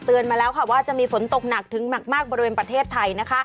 เตือนมาแล้วว่าจะมีฝนตกหนักถึงมากบริเวณประเทศไทย